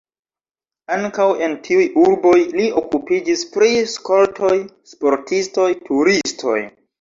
Ankaŭ en tiuj urboj li okupiĝis pri skoltoj, sportistoj, turistoj.